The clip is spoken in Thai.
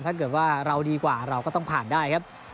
ถ้าเกิดว่าเราดีกว่าเราก็ต้องผ่านได้ครับ